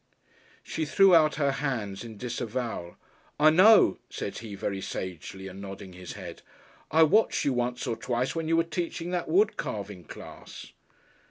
She threw out her hands in disavowal. "I know," said he, very sagely and nodding his head. "I watched you once or twice when you were teaching that wood carving class."